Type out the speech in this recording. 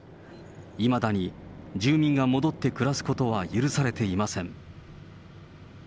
いまだに住民が戻って暮らすことは許されていません。